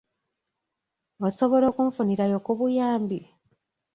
Osobola okunfunirayo ku buyambi?